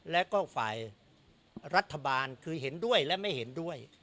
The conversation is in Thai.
และก็ฝ่ายรัฐบาลคือเห็นด้วยและไม่เห็นด้วย